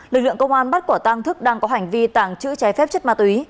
lực lượng công an bắt quả tang thức đang có hành vi tàng trữ trái phép chất ma túy